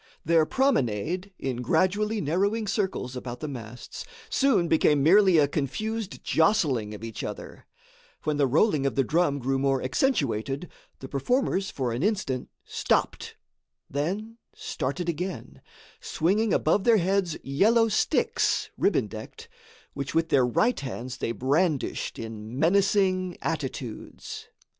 Their promenade, in gradually narrowing circles about the masts, soon became merely a confused jostling of each other; when the rolling of the drum grew more accentuated, the performers for an instant stopped, then started again, swinging above their heads yellow sticks, ribbon decked, which with their right hands they brandished in menacing attitudes.